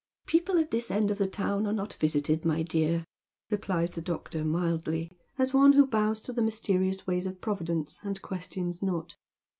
" People at this end of the town are not visited, my dear," replies the doctor, mildly, as one who bows to the mysterious ways of Providence and questions not.